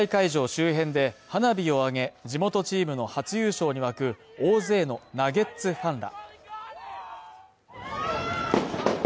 周辺で花火を上げ、地元チームの初優勝に沸く大勢のナゲッツファンら。